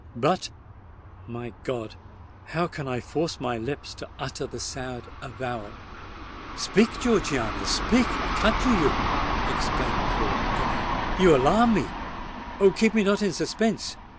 But—my God!—how can I force my lips to utter the sad avowal——" "Speak, Georgiana—speak, I conjure you!" exclaimed Lord Ellingham: "you alarm me! Oh! keep me not in suspense!